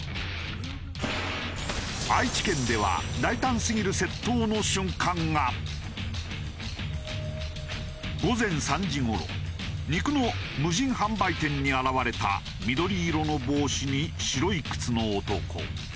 愛知県では午前３時頃肉の無人販売店に現れた緑色の帽子に白い靴の男。